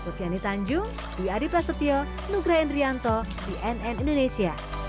sufyani tanjung dwi adi prasetyo nugra endrianto di nn indonesia